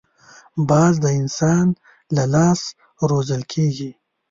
باز د انسان له لاس روزل کېږي